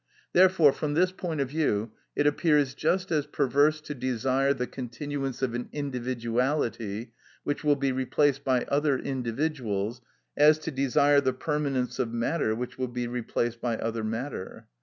Therefore, from this point of view, it appears just as perverse to desire the continuance of an individuality which will be replaced by other individuals as to desire the permanence of matter which will be replaced by other matter.